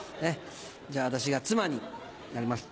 じゃ私が妻になります。